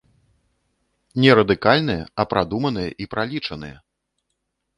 Не радыкальныя, а прадуманыя і пралічаныя.